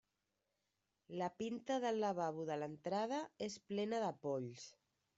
La pinta del lavabo de l'entrada és plena de polls.